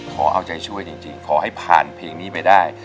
ขอเอาใจช่วยจริงขอให้ผ่านเพลงนี้ไปได้